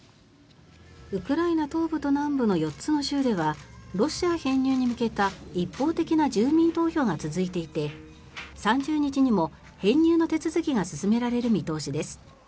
ウクライナ東部と南部の４つの州ではロシア編入に向けた一方的な住民投票が続いていて３０日にも編入の手続きが進められる見通しです。